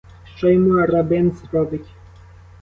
Що йому рабин зробить?